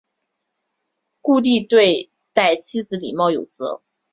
顾悌对待妻子礼貌有则。